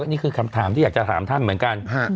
นี่คือคำถามที่อยากจะถามท่านเหมือนกัน